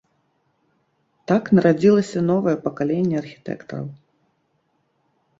Так нарадзілася новае пакаленне архітэктараў.